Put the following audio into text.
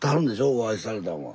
お会いされたんは。